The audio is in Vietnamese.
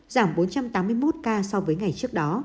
giảm bốn trăm tám mươi một ca so với ngày trước đó